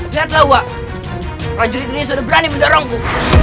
lihatlah wak prajurit ini sudah berani mendorongmu